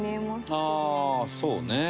ああーそうね。